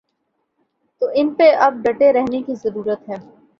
تو ان پہ اب ڈٹے رہنے کی ضرورت ہے۔